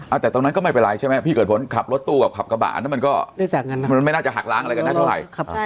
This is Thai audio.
แต่ตรงนั้นก็ไม่เป็นไรใช่ไหมพี่เกิดผลขับรถตู้กับขับกระบะอันนั้นมันก็ไม่น่าจะหักล้างอะไรกันได้เท่าไหร่